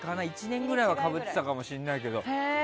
１年ぐらいはかぶっていたかもしれないけど。